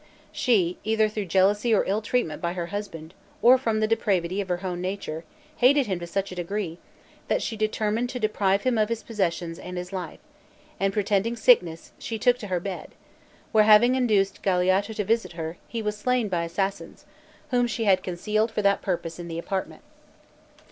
She, either through jealousy or ill treatment by her husband, or from the depravity of her own nature, hated him to such a degree, that she determined to deprive him of his possessions and his life; and pretending sickness, she took to her bed, where, having induced Galeotto to visit her, he was slain by assassins, whom she had concealed for that purpose in the apartment.